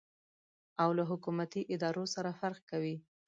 او له حکومتي ادارو سره فرق کوي.